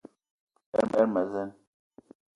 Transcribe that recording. Lerma a zeen.